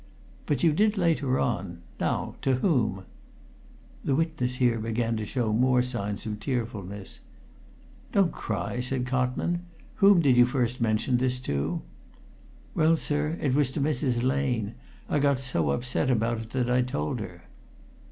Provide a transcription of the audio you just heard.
"But you did later on. Now, to whom?" The witness here began to show more signs of tearfulness. "Don't cry!" said Cotman. "Whom did you first mention this to?" "Well, sir, it was to Mrs. Lane. I got so upset about it that I told her."